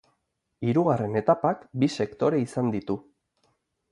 Hirugarren etapak bi sektore izan ditu.